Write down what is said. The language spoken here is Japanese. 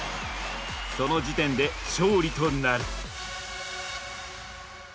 その時点で勝利となる。